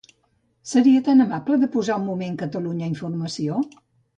Seria tan amable de posar un moment Catalunya Informació?